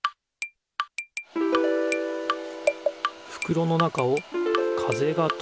ふくろの中を風が通る。